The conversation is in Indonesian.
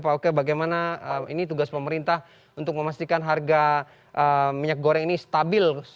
pak oke bagaimana ini tugas pemerintah untuk memastikan harga minyak goreng ini stabil